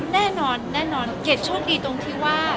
แน่นอนแน่นอนเกดโชคดีตรงที่ว่า